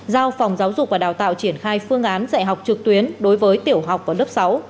giao phòng giáo dục và đào tạo triển khai phương án dạy học trực tuyến đối với tiểu học và lớp sáu